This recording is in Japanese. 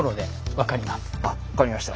分かりました。